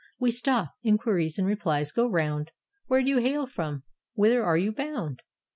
We stop : inquiries and replies go round : "Where do you hail from? " "Whither are you bound?"